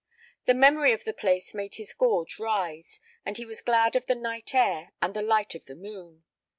The memory of the place made his gorge rise, and he was glad of the night air and the light of the moon.